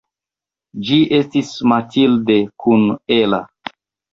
Ĝi estis Mathilde kun Ella.